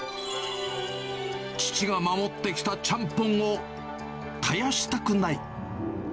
父が守ってきたちゃんぽんを絶やしたくない。